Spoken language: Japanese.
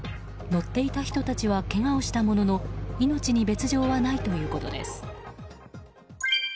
乗っていた人たちはけがをしたものの命に別条はないということです。